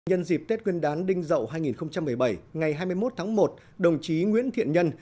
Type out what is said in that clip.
nhân dịp tết nguyên đán đinh dậu hai nghìn một mươi bảy ngày hai mươi một tháng một đồng chí nguyễn thiện nhân